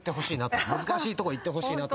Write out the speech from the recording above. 難しいとこいってほしいなと。